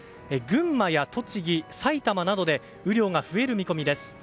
群馬や栃木、埼玉などで雨量が増える見込みです。